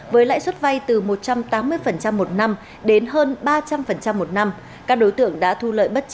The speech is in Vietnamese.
với lãi suất vay từ một trăm tám mươi